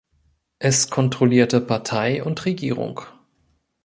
Es kontrollierte Partei und Regierung.